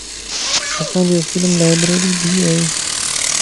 اسان جي اسڪولم لائبريري ڀي ائي